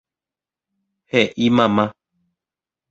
He'i mama.